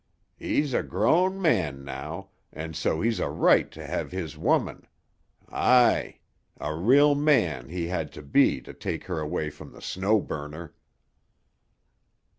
"He's a grown man now, and so he's a right to have his woman.—Aye. A real man he had to be to take her away from the Snow Burner."